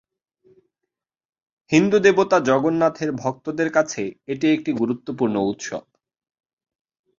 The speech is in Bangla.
হিন্দু দেবতা জগন্নাথের ভক্তদের কাছে এটি একটি গুরুত্বপূর্ণ উৎসব।